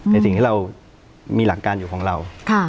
ในสิ่งที่เรามีหลักการอยู่ของเรา